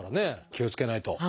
気をつけないと。